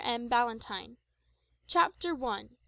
M. BALLANTYNE. CHAPTER ONE.